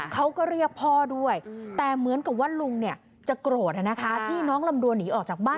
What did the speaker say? เขาก็เรียกพ่อด้วยแต่เหมือนกับว่าลุงเนี่ยจะโกรธที่น้องลำดวนหนีออกจากบ้าน